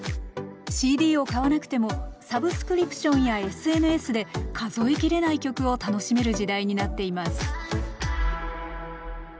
ＣＤを買わなくてもサブスクリプションやＳＮＳで数え切れない曲を楽しめる時代になっています